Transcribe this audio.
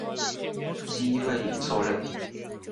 机会与策略